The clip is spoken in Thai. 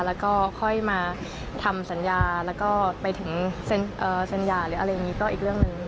แล้วก็ค่อยมาทำสัญญาแล้วก็ไปถึงเซ็นสัญญาหรืออะไรอย่างนี้ก็อีกเรื่องหนึ่ง